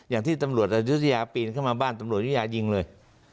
อย่างที่ตำรวจอายุทยาปีนเข้ามาบ้านตำรวจยุธยายิงเลย